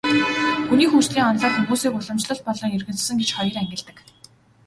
Хүний хөгжлийн онолоор хүмүүсийг уламжлалт болон иргэншсэн гэж хоёр ангилдаг.